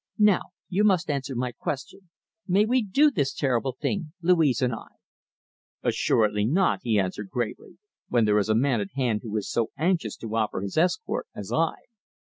Now you must answer my question. May we do this terrible thing, Louise and I?" "Assuredly not," he answered gravely, "when there is a man at hand who is so anxious to offer his escort as I."